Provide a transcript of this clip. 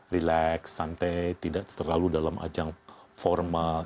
relax santai tidak terlalu dalam ajang formal